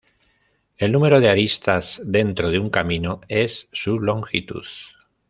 El número de aristas dentro de un camino es su longitud.